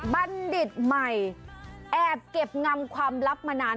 บัณฑิตใหม่แอบเก็บงำความลับมานาน